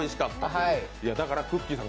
だからくっきー！さん